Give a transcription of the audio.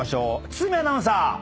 堤アナウンサー！